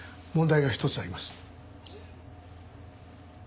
問題が１つあります。